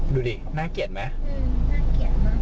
ดูดิน่าเกลียดมั้ย